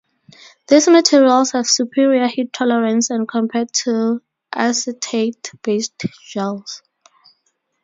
These materials have superior heat tolerance when compared to acetate-based gels.